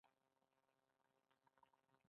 سانتیاګو له فاطمې سره مینه کوي.